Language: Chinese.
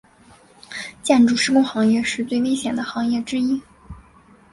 建筑施工行业是最危险的行业之一。